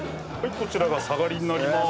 こちらがサガリになります。